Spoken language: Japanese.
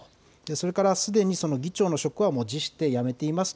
それからすでに議長の職は辞して辞めています。